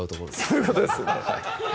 そういうことですね